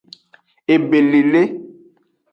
Ebelele.